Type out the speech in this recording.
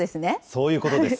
そういうことです。